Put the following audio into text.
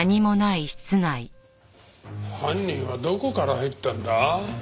犯人はどこから入ったんだ？